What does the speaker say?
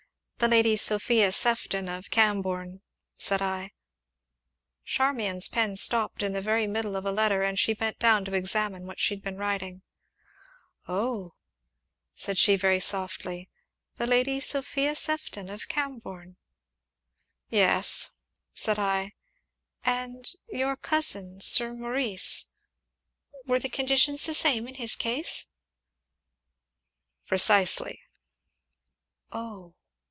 "The Lady Sophia Sefton, of Cambourne," said I. Charmian's pen stopped in the very middle of a letter, and she bent down to examine what she had been writing. "Oh!" said she very softly, "the Lady Sophia Sefton of Cambourne?" "Yes," said I. "And your cousin Sir Maurice were the conditions the same in his case?" "Precisely!" "Oh!"